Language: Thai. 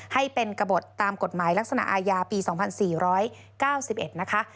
ให้เป็นกระบดตามกฎหมายลักษณะอาญาปี๒๔๙๑นะคะ